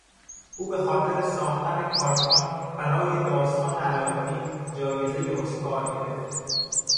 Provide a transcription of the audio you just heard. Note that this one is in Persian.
او به خاطر ساختن کارتون برای داستان علاالدین جایزهی اسکار گرفت.